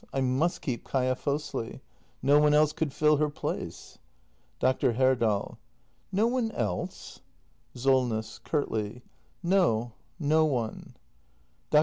I m u s t keep Kaia Fosli. No one else could fill her place. Dr. Herdal. No one else ? Solness. [Curtly.] No, no one. Dr.